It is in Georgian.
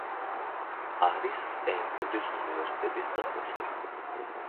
არის სტენფორდის უნივერსიტეტის პროფესორი.